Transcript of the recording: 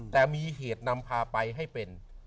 แต่มีเหตุนำพาไปให้เป็น